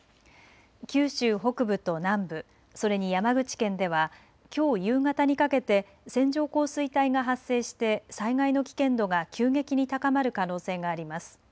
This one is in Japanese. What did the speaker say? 九州北部と南部、それに山口県ではきょう夕方にかけて線状降水帯が発生して災害の危険度が急激に高まる可能性があります。